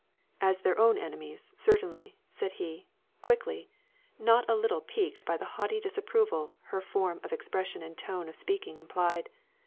"As their own enemies, certainly," said he, quickly, not a little piqued by the haughty disapproval her form of expression and tone of speaking implied.